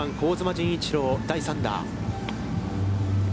陣一朗、第３打。